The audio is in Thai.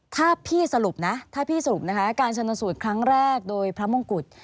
ถ้าพี่สรุปการชนสูตรครั้งแรกโดยพระมงกุฎ